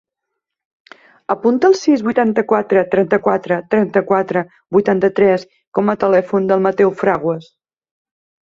Apunta el sis, vuitanta-quatre, trenta-quatre, trenta-quatre, vuitanta-tres com a telèfon del Mateu Fraguas.